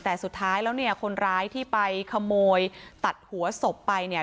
แต่สุดท้ายแล้วเนี่ยคนร้ายที่ไปขโมยตัดหัวศพไปเนี่ย